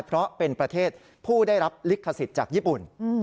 เพราะเป็นประเทศผู้ได้รับลิขสิทธิ์จากญี่ปุ่น